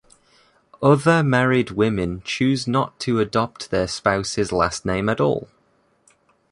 Other married women choose not to adopt their spouse's last name at all.